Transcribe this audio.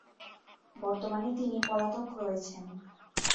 বর্তমানে তিনি পলাতক রয়েছেন।